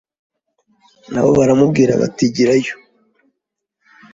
Na bo baramubwira bati igirayo